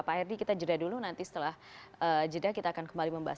pak herdy kita jeda dulu nanti setelah jeda kita akan kembali membahas